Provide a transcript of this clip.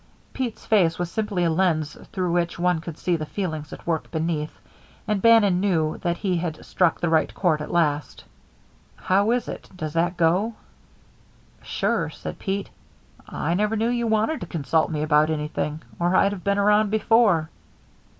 Pete's face was simply a lens through which one could see the feelings at work beneath, and Bannon knew that he had struck the right chord at last. "How is it? Does that go?" "Sure," said Pete. "I never knew you wanted to consult me about anything, or I'd have been around before."